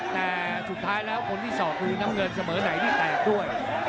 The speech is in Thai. แต่สุดท้ายแล้วคนที่สอกคือน้ำเงินเสมอไหนที่แตกด้วย